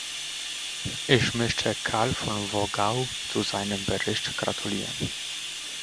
Ich möchte Karl von Wogau zu seinem Bericht gratulieren.